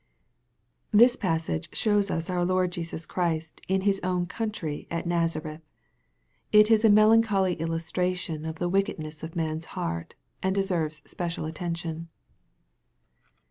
THIS passage shows us our Lord Jesus Christ in " his own country," at Nazareth. It is a melancholy illus tration of the wickedness of man's heart, and deserves special attention.